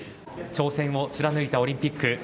挑戦を貫いたオリンピック